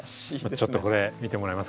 ちょっとこれ見てもらえますかね。